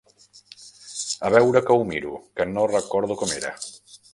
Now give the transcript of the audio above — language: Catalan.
A veure que ho miro, que no recordo com era.